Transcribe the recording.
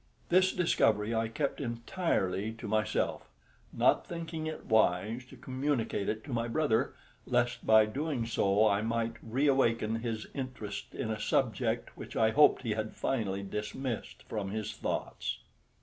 This discovery I kept entirely to myself, not thinking it wise to communicate it to my brother, lest by doing so I might reawaken his interest in a subject which I hoped he had finally dismissed from his thoughts.